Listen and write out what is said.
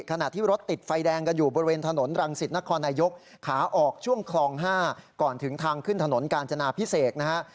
ขณะที่รถติดไฟแดงกันอยู่บริเวณถนนรังสิตนครนายกขาออกช่วงคลอง๕ก่อนถึงทางขึ้นถนนกาญจนาพิเศษนะฮะ